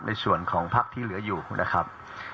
ในส่วนของพักที่เหลืออยู่นะครับ